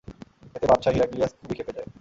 এতে বাদশা হিরাক্লিয়াস খুবই ক্ষেপে যায়।